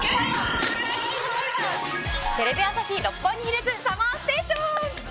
テレビ朝日・六本木ヒルズＳＵＭＭＥＲＳＴＡＴＩＯＮ。